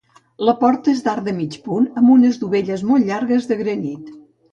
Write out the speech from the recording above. La porta és d'arc de mig punt amb unes dovelles molt llargues de granit.